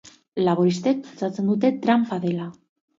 Laboristek pentsatzen dute tranpa dela.